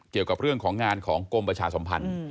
เกี่ยวกับเรื่องของงานของกรมประชาสัมพันธ์